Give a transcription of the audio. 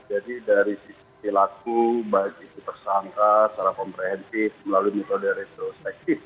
jadi dari sisi laku bahan tersangka secara komprehensif melalui metode retrospektif